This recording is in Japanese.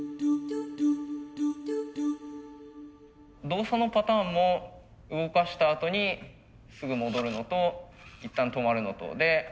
動作のパターンも動かしたあとにすぐ戻るのと一旦止まるのとで